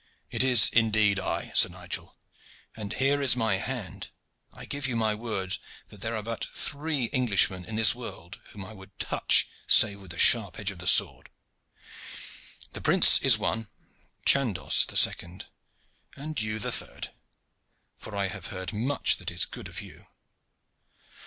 It is indeed I, Sir Nigel, and here is my hand! I give you my word that there are but three Englishmen in this world whom I would touch save with the sharp edge of the sword: the prince is one, Chandos the second, and you the third; for I have heard much that is good of you."